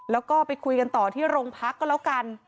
แล้วก็ไปคุยกันต่อที่โรงพักก็แล้วกัน